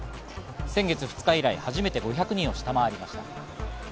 先月２日以来、初めて５００人を下回りました。